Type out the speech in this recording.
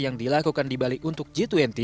yang dilakukan di bali untuk g dua puluh